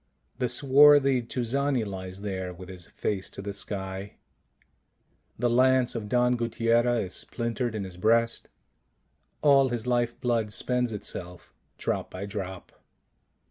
The swarthy Tuzani lies there with his face to the sky. The lance of Don Guttiera is splintered in his breast: all his life blood spends itself drop by drop.